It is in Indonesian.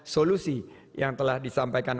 solusi yang telah disampaikan